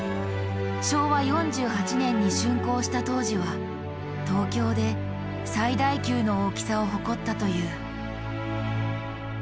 昭和４８年に竣工した当時は東京で最大級の大きさを誇ったという。